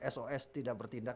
sos tidak bertindak